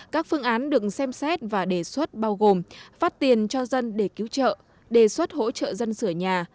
các phương án được xem xét và đề xuất bao gồm phát tiền cho dân để cứu trợ đề xuất hỗ trợ dân sửa nhà